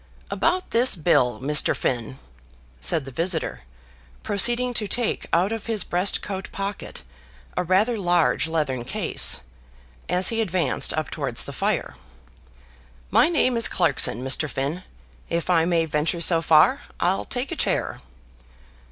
"About this bill, Mr. Finn," said the visitor, proceeding to take out of his breast coat pocket a rather large leathern case, as he advanced up towards the fire. "My name is Clarkson, Mr. Finn. If I may venture so far, I'll take a chair."